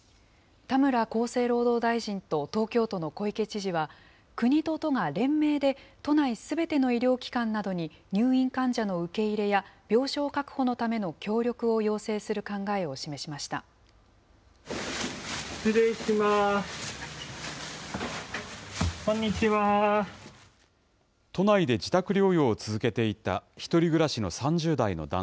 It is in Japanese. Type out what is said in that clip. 田村厚生労働大臣と東京都の小池知事は、国と都が連名で都内すべての医療機関などに、入院患者の受け入れや、病床確保のための協力を要請する考えを示失礼します。